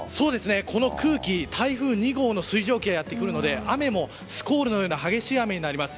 この空気、台風２号の水蒸気がやってくるので雨もスコールのような激しい雨になります。